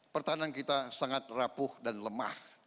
pertahanan kita sangat rapuh dan lemah